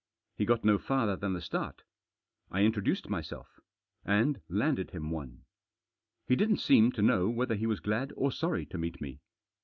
He got no farther than the start. I introduced myself. And landed him one. He didn't seem to know whether he was glad or sorry to meet me.